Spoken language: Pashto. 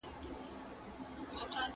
د ټولنيز محصول د لوړتيا لپاره بايد کار وسي.